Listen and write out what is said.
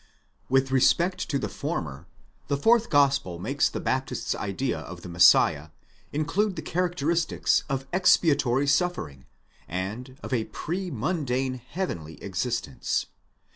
With respect to the former, the fourth Gospel makes the Baptist's idea of the Messiah include the characteristics of expiatory suffering, and of a pre mundane, heavenly existence.